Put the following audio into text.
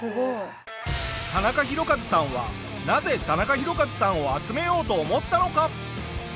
田中宏和さんはなぜ田中宏和さんを集めようと思ったのか？